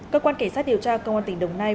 cơ quan cảnh sát điều tra công an tỉnh đồng nai